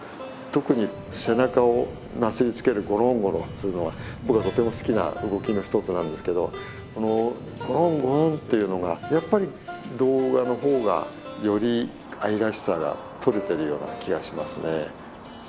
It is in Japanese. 特に背中をなすりつけるゴロンゴロンするのは僕がとても好きな動きの一つなんですけどこのゴロンゴロンっていうのがやっぱり動画の方がより愛らしさが撮れてるような気がしますね。